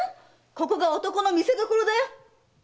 ここが男の見せどころだよ！